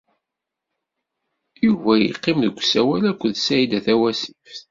Yuba yeqqim deg usawal akked Saɛida Tawasift.